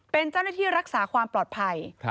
เป็นเจ้าหน้าที่รักษาความปลอดภัย